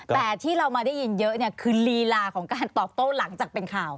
แต่ที่เรามาได้ยินเยอะคือลีลาของการตอบโต้หลังจากเป็นข่าว